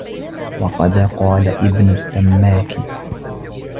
وَقَدْ قَالَ ابْنُ السَّمَّاكِ